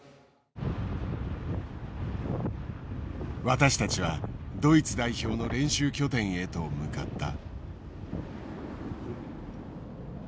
私たちはドイツ代表の練習拠点へと向かった。